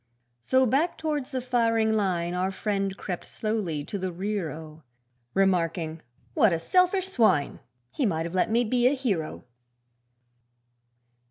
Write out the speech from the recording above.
So back towards the firing line Our friend crept slowly to the rear oh! Remarking 'What a selfish swine! He might have let me be a hero.'